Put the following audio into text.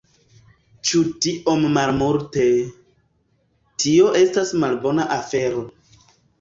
Ĉu tiom malmulte... tio estas malbona afero